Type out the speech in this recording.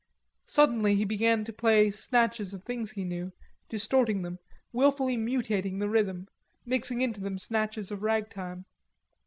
Suddenly he began to play snatches of things he knew, distorting them, willfully mutilating the rhythm, mixing into them snatches of ragtime.